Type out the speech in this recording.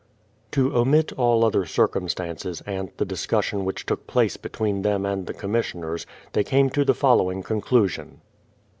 To omit all other circumstances, and the discussion which took place between them and the commissioners, they came to the following conclusion.